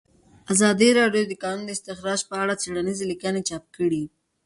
ازادي راډیو د د کانونو استخراج په اړه څېړنیزې لیکنې چاپ کړي.